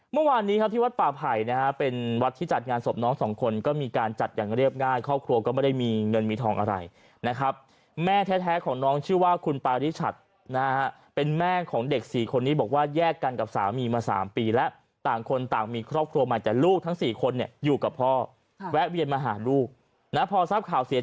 เมื่อวานนี้ครับที่วัดป่าไผ่นะฮะเป็นวัดที่จัดงานศพน้องสองคนก็มีการจัดอย่างเรียบง่ายครอบครัวก็ไม่ได้มีเงินมีทองอะไรนะครับแม่แท้ของน้องชื่อว่าคุณปาริชัดนะฮะเป็นแม่ของเด็กสี่คนนี้บอกว่าแยกกันกับสามีมา๓ปีแล้วต่างคนต่างมีครอบครัวใหม่แต่ลูกทั้งสี่คนเนี่ยอยู่กับพ่อแวะเวียนมาหาลูกนะพอทราบข่าวเสีย